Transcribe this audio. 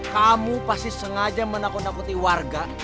kamu pasti sengaja menakut nakuti warga